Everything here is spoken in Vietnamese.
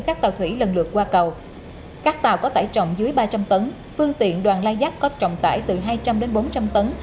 các tàu thủy lần lượt qua cầu các tàu có tải trọng dưới ba trăm linh tấn phương tiện đoàn lai giáp có trọng tải từ hai trăm linh bốn trăm linh tấn